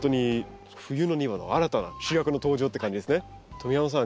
富山さん